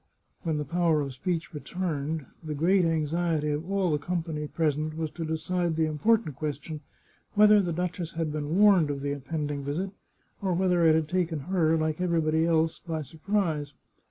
When the power of speech returned, the great anxiety of all the company present was to decide the important question whether the duchess had been warned of the impending visit, or whether it had taken her, like everybody else, by surprise.